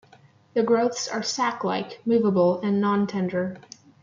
The growths are sac-like, movable, and nontender.